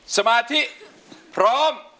สมาธิพร้อม